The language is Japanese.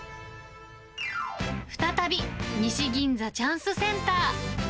再び西銀座チャンスセンター。